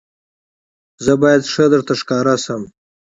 زه باید ښه درته ښکاره شم.